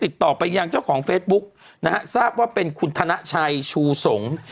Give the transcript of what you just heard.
ติดต่อไปยังเจ้าของเฟซบุ๊กนะฮะทราบว่าเป็นคุณธนชัยชูสงศ์